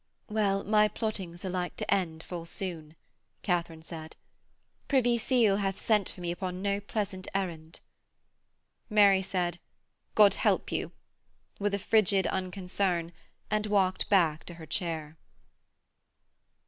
'Well, my plottings are like to end full soon,' Katharine said. 'Privy Seal hath sent for me upon no pleasant errand.' Mary said: 'God help you!' with a frigid unconcern, and walked back to her chair.